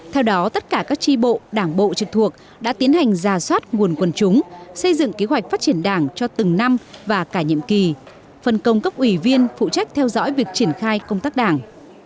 theo đó tất cả các tri bộ đảng bộ trực thuộc đã tiến hành giả soát nguồn quân chúng xây dựng kế hoạch phát triển đảng cho từng năm và cả nhiệm kỳ phân công cấp ủy viên phụ trách theo dõi việc triển khai công tác đảng